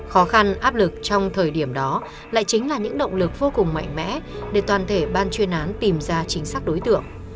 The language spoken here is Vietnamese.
khó khăn áp lực trong thời điểm đó lại chính là những động lực vô cùng mạnh mẽ để toàn thể ban chuyên án tìm ra chính xác đối tượng